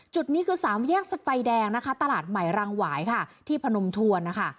จุดนี้คือสามแยกสไฟแดงนะคะตลาดใหม่รังหวายค่ะที่พนมทวนนะคะ